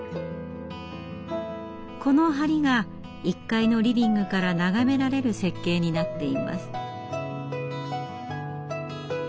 この梁が１階のリビングから眺められる設計になっています。